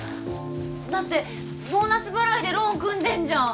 だってボーナス払いでローン組んでんじゃん。